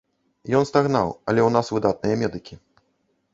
Ён стагнаў, але ў нас выдатныя медыкі.